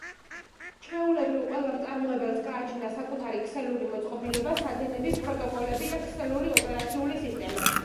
ჩვეულებრივ ყველა მწარმოებელს გააჩნდა საკუთარი ქსელური მოწყობილობა, სადენები, პროტოკოლები და ქსელური ოპერაციული სისტემა.